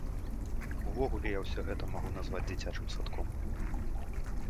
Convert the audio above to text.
Увогуле я ўсё гэта магу назваць дзіцячым садком.